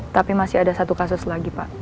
tapi masih ada satu kasus lagi pak